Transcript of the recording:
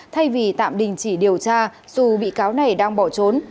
thay vì tạm đình chỉ điều tra dù bị cáo này đang bỏ trốn